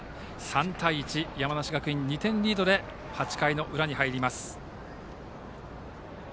３対１、山梨学院２点リードで８回の裏に入ります。